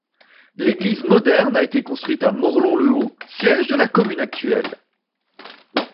L’église moderne a été construite à Morlhon-le-Haut, siège de la commune actuelle.